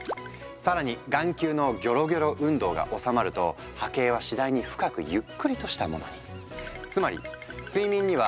更に眼球のギョロギョロ運動が収まると波形は次第に深くゆっくりとしたものに。